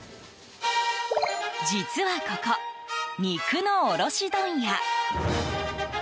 実はここ、肉の卸問屋。